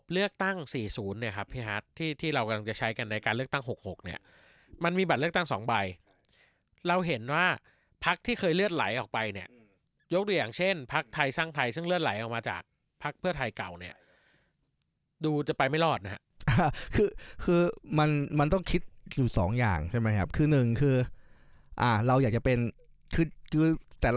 เลือกตั้ง๔๐เนี่ยครับพี่ฮัทที่ที่เรากำลังจะใช้กันในการเลือกตั้ง๖๖เนี่ยมันมีบัตรเลือกตั้งสองใบเราเห็นว่าพักที่เคยเลือดไหลออกไปเนี่ยยกตัวอย่างเช่นพักไทยสร้างไทยซึ่งเลือดไหลออกมาจากพักเพื่อไทยเก่าเนี่ยดูจะไปไม่รอดนะฮะคือคือมันมันต้องคิดอยู่สองอย่างใช่ไหมครับคือหนึ่งคือเราอยากจะเป็นคือแต่ละ